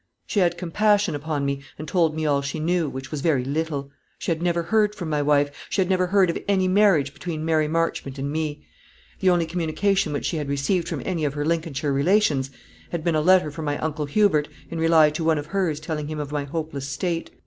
She had compassion upon me, and told me all she knew, which was very little. She had never heard from my wife. She had never heard of any marriage between Mary Marchmont and me. The only communication which she had received from any of her Lincolnshire relations had been a letter from my uncle Hubert, in reply to one of hers telling him of my hopeless state.